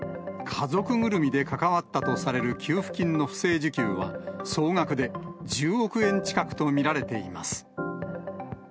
家族ぐるみで関わったとされる給付金の不正受給は、総額で１０億円近くと見られています。